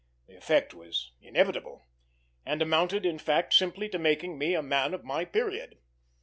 The effect was inevitable, and amounted in fact simply to making me a man of my period.